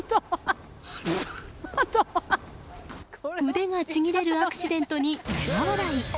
腕がちぎれるアクシデントに苦笑い。